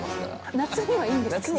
夏にはいいですね。